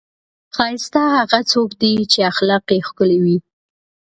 ښایسته هغه څوک دی، چې اخلاق یې ښکلي وي.